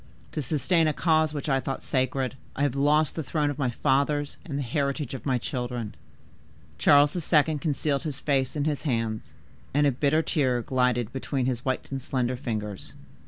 To sustain a cause which I thought sacred, I have lost the throne of my fathers and the heritage of my children.'" Charles II. concealed his face in his hands, and a bitter tear glided between his white and slender fingers.